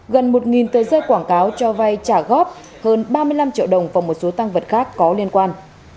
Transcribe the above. gần một tờ rơi quảng cáo cho vay trả góp hơn ba mươi năm triệu đồng và một số tăng vật khác có liên quan